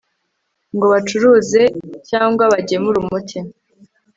ngo bacuruze cyangwa bagemura umuti